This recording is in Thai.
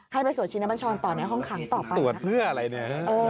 ให้ไปสวดชีวิตน้ำมันช้อนต่อในห้องขังต่อไปนะ